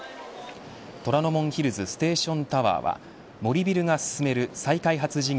虎ノ門ヒルズステーションタワーは森ビルが進める再開発事業